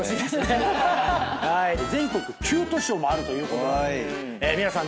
全国９都市を回るということで皆さん